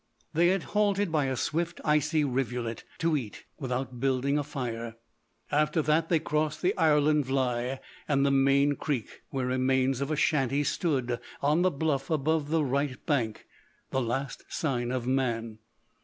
They had halted by a swift, icy rivulet to eat, without building a fire. After that they crossed the Ireland Vlaie and the main creek, where remains of a shanty stood on the bluff above the right bank—the last sign of man.